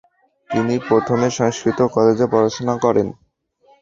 তিনি প্রথমে সংস্কৃত কলেজে পড়াশোনা করেন ।